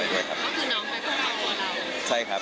ไปด้วยครับน้องก็ไปด้วยครับ